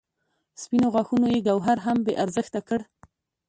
سپینو غاښونو یې ګوهر هم بې ارزښته کړ.